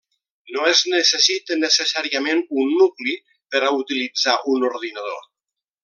No es necessita necessàriament un nucli per a utilitzar un ordinador.